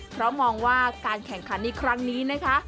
เพราะมองว่าการแข่งขันในครั้งนี้นะคะ